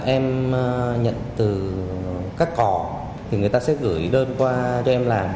em nhận từ các cỏ thì người ta sẽ gửi đơn qua cho em làm